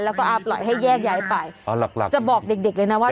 แล้วก็ปล่อยให้แยกย้ายไปอ๋อหลักหลักจะบอกเด็กเด็กเลยนะว่า